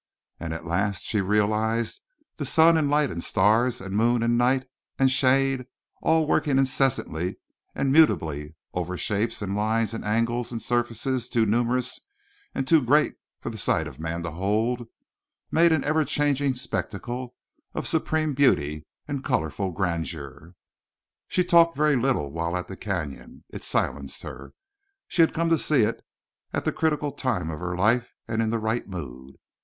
And at last she realized that sun and light and stars and moon and night and shade, all working incessantly and mutably over shapes and lines and angles and surfaces too numerous and too great for the sight of man to hold, made an ever changing spectacle of supreme beauty and colorful grandeur. She talked very little while at the Canyon. It silenced her. She had come to see it at the critical time of her life and in the right mood.